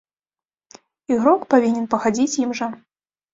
Ігрок павінен пахадзіць ім жа.